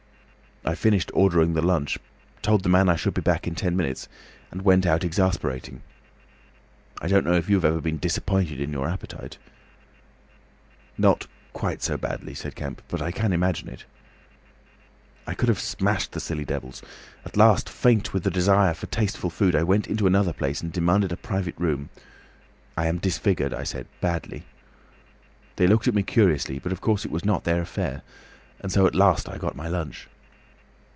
I finished ordering the lunch, told the man I should be back in ten minutes, and went out exasperated. I don't know if you have ever been disappointed in your appetite." "Not quite so badly," said Kemp, "but I can imagine it." "I could have smashed the silly devils. At last, faint with the desire for tasteful food, I went into another place and demanded a private room. 'I am disfigured,' I said. 'Badly.' They looked at me curiously, but of course it was not their affair—and so at last I got my lunch.